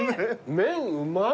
麺うまい。